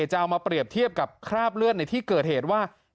จะเอามาเปรียบเทียบกับคราบเลือดในที่เกิดเหตุว่า